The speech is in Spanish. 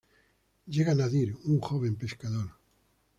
Llega Nadir, un joven pescador.